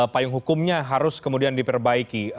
payung hukumnya harus kemudian diperbaiki